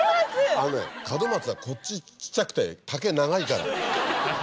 あのね門松はこっちちっちゃくて丈長いから。